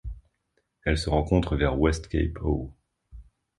Elle se rencontre vers West Cape Howe.